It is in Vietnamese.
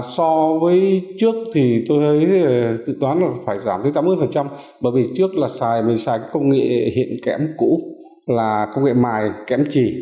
so với trước thì tôi đoán là phải giảm tới tám mươi bởi vì trước mình sử dụng công nghệ hiện kẽm cũ là công nghệ mài kẽm chì